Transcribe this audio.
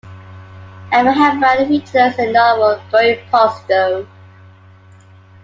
Anghammarad features in the novel "Going Postal".